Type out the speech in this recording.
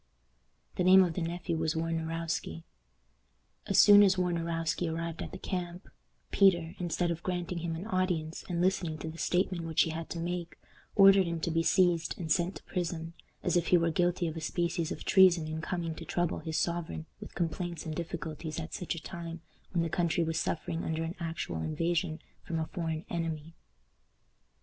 The name of the nephew was Warnarowski. As soon as Warnarowski arrived at the camp, Peter, instead of granting him an audience, and listening to the statement which he had to make, ordered him to be seized and sent to prison, as if he were guilty of a species of treason in coming to trouble his sovereign with complaints and difficulties at such a time, when the country was suffering under an actual invasion from a foreign enemy.